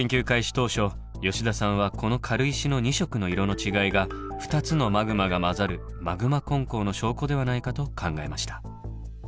当初吉田さんはこの軽石の２色の色の違いが２つのマグマが混ざる「マグマ混交」の証拠ではないかと考えました。